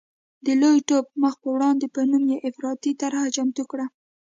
د لوی ټوپ مخ په وړاندې په نوم یې افراطي طرحه چمتو کړه.